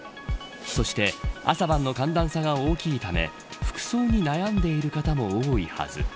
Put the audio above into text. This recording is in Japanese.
そして、朝晩の寒暖差が大きいため服装に悩んでいる方も多いはず。